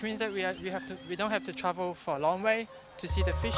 yang berarti kami tidak perlu berjalan jauh untuk melihat ikan